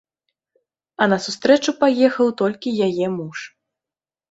А на сустрэчу паехаў толькі яе муж.